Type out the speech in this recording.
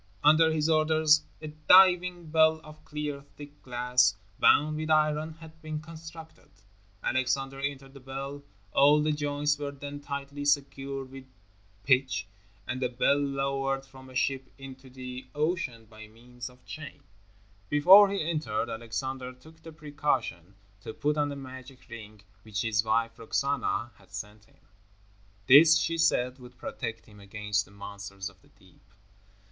Under his orders, a diving bell of clear thick glass, bound with iron, had been constructed. Alexander entered the bell, all the joints were then tightly secured with pitch, and the bell lowered from a ship into the ocean by means of chains. Before he entered, Alexander took the precaution to put on a magic ring, which his wife, Roxana, had sent him. This, she said, would protect him against the monsters of the deep.